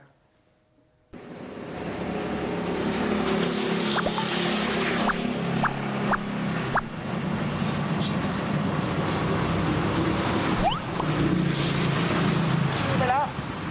ทุนไปแล้ว